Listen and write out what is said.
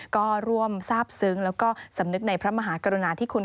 ก็ร่วมทราบซึ้งแล้วก็สำนึกในพระมหากรุณาที่คุณ